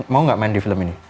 mau gak main di film ini